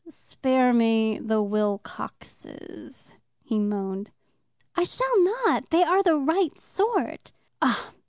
"Spare me the Wilcoxes," he moaned. "I shall not. They are the right sort."